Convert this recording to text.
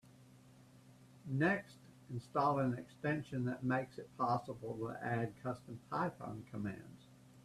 Next, install an extension that makes it possible to add custom Python commands.